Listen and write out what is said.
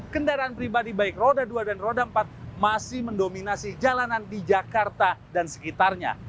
kendaraan pribadi baik roda dua dan roda empat masih mendominasi jalanan di jakarta dan sekitarnya